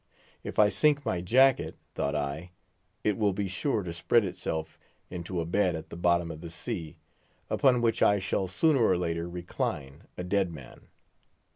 If I sink my jacket, thought I, it will be sure to spread itself into a bed at the bottom of the sea, upon which I shall sooner or later recline, a dead man.